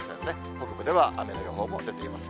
北部では雨の予報も出ています。